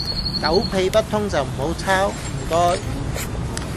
狗屁不通就唔好抄，唔該